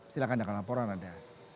silahkan dengan laporan ada